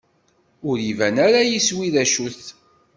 Ur iban ara yiswi d acu-t.